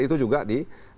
itu juga di